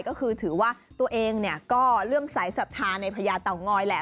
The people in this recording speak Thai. ก็คือถือว่าตัวเองก็เริ่มสายศรัทธาในพญาเต่างอยแหละ